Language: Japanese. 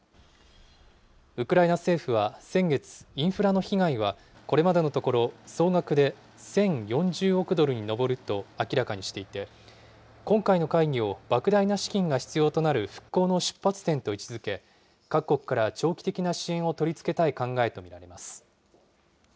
ウクライナ政府は先月、インフラの被害はこれまでのところ、総額で１０４０億ドルに上ると明らかにしていて、今回の会議をばく大な資金が必要となる復興の出発点と位置づけ、各国から長期的な支援を取り付けたい考えと見られます。